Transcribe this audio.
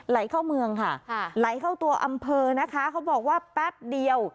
ไหลเข้าเมืองค่ะไหลเข้าตัวอำเภอนะคะเขาบอกว่าแป๊บเดียว